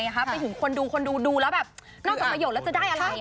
ถ้าเป็นคนดูแล้วแบบนอกจากประโยชน์แล้วจะได้อะไร